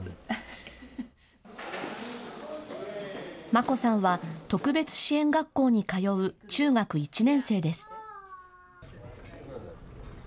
真心さんは特別支援学校に通う中学１年生です。